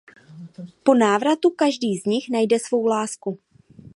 Po návratu každý z nich najde svou lásku.